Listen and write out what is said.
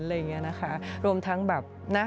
อะไรอย่างนี้นะคะรวมทั้งแบบนะ